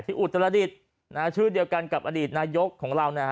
ที่อุตรศาลดิษฐ์ชื่อเดียวกันกับอดีตนายกของเรา